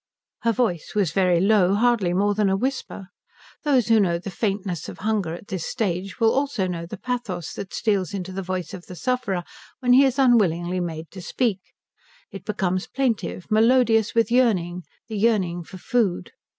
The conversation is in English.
Her voice was very low, hardly more than a whisper. Those who know the faintness of hunger at this stage will also know the pathos that steals into the voice of the sufferer when he is unwillingly made to speak; it becomes plaintive, melodious with yearning, the yearning for food.